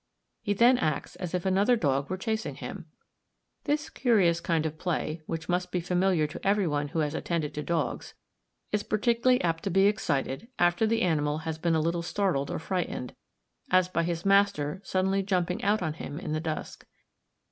He then acts as if another dog were chasing him. This curious kind of play, which must be familiar to every one who has attended to dogs, is particularly apt to be excited, after the animal has been a little startled or frightened, as by his master suddenly jumping out on him in the dusk.